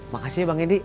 makasih ya bang edi